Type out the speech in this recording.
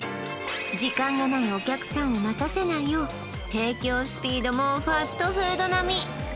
時間がないお客さんを待たせないよう提供スピードもファストフードなみ！